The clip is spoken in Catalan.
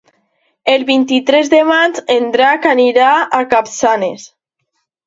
El vint-i-tres de maig en Drac anirà a Capçanes.